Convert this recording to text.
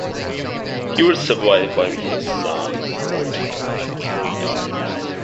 He was survived by his son, Walter, and three daughters.